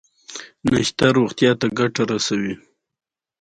افغانستان د سنگ مرمر لپاره مشهور دی.